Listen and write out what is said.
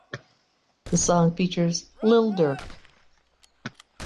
The song features Lil Durk.